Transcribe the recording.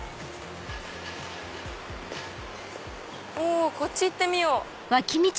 おこっち行ってみよう。